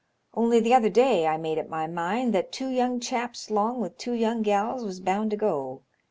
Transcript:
Only the other day I made up my mind that two young chaps 'long with two young gals was bound to go.